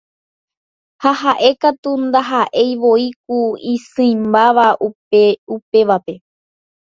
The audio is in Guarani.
Ha ha'e katu ndaha'eivoi ku isỹimbáva upévape.